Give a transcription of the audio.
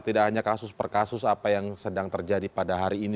tidak hanya kasus per kasus apa yang sedang terjadi pada hari ini